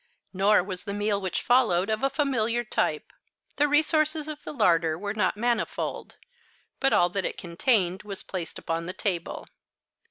Nor was the meal which followed of a familiar type. The resources of the larder were not manifold, but all that it contained was placed upon the table.